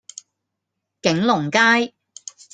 景隆街